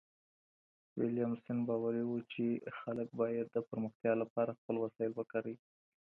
ويلم سن باوري و چي خلګ بايد د پرمختيا لپاره خپل وسايل وکاروي.